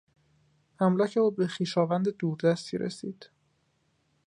املاک او به خویشاوند دور دستی رسید.